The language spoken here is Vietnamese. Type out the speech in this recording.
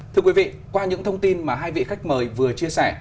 thưa quý vị qua những thông tin mà hai vị khách mời vừa chia sẻ